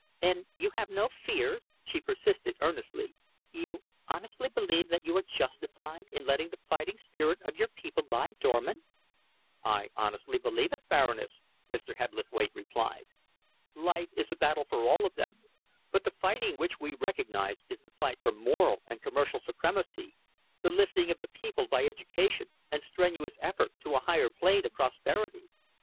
"And you have no fears?" she persisted earnestly. "You honestly believe that you are justified in letting the fighting spirit of your people lie dormant?" "I honestly believe it, Baroness," Mr. Hebblethwaite replied. "Life is a battle for all of them, but the fighting which we recognise is the fight for moral and commercial supremacy, the lifting of the people by education and strenuous effort to a higher plane of prosperity."